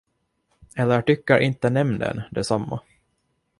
Eller tycker inte nämnden detsamma?